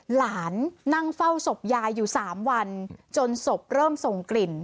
หลานนั่งเฝ้าศพยายอยู่๓วันจนศพเริ่มส่งกลิ่น